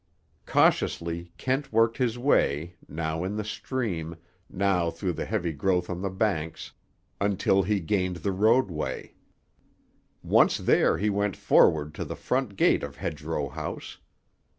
Cautiously Kent worked his way, now in the stream, now through the heavy growth on the banks, until he gained the roadway. Once there he went forward to the front gate of Hedgerow House.